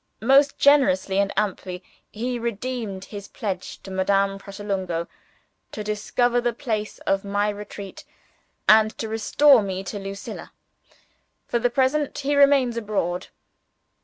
Most generously and amply he has redeemed his pledge to Madame Pratolungo to discover the place of my retreat and to restore me to Lucilla. For the present he remains abroad.